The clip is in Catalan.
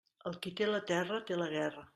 El qui té la terra té la guerra.